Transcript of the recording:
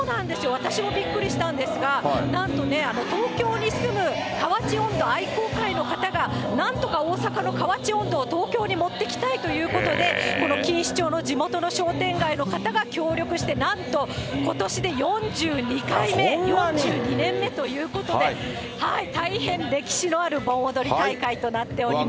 私もびっくりしたんですが、なんとね、東京に住む河内音頭愛好会の方が、なんとか大阪の河内音頭を東京に持ってきたいということで、この錦糸町の地元の商店街の方が協力して、なんとことしで４２回目、４２年目ということで、大変歴史のある盆踊り大会となっております。